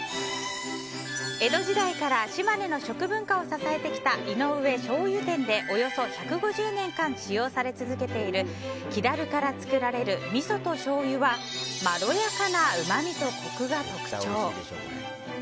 江戸時代から島根の食文化を支えてきた井上醤油店でおよそ１５０年使用され続けている木だるから作られるみそとしょうゆはまろやかなうまみとコクが特徴。